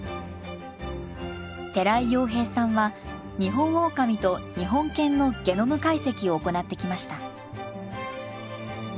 寺井洋平さんはニホンオオカミと日本犬のゲノム解析を行ってきました。